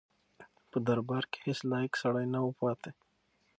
په دربار کې هیڅ لایق سړی نه و پاتې.